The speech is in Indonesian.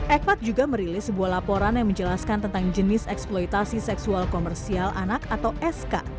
ekpat juga merilis sebuah laporan yang menjelaskan tentang jenis eksploitasi seksual komersial anak atau sk